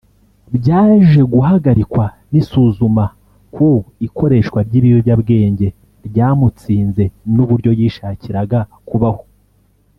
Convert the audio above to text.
byaje guhagarikwa n’isuzuma ku ikoreshwa ry’ibiyobyabwenge ryamutsinze n’uburyo yishakiraga kubaho